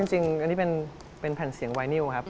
จริงอันนี้เป็นแผ่นเสียงไวนิวครับ